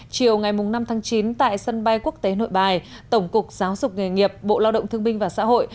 chiều ngày năm tháng chín tại sân bay quốc tế nội bài tổng cục giáo dục nghề nghiệp bộ lao động thương binh và xã hội